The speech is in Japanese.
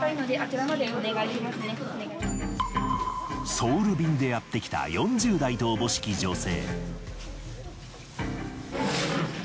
ソウル便でやってきた４０代とおぼしき女性。